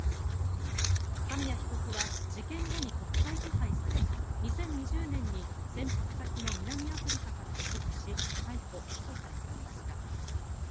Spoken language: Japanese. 紙谷被告は事件後に国際手配され２０２０年に潜伏先の南アフリカから帰国し逮捕・起訴されていました。